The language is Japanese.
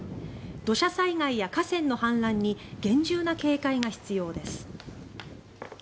土砂災害や河川の氾濫に厳重な警戒が必要です。